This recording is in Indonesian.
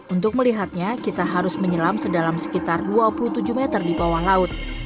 untuk melihatnya kita harus menyelam sedalam sekitar dua puluh tujuh meter di bawah laut